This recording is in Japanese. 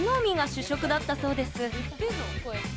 主食だったそうです。